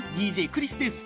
ＤＪクリスです。